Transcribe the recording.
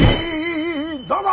どうぞ！